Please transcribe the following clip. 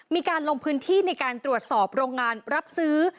มีการลงพื้นที่ในการตรวจสอบโรงงานรับซื้อ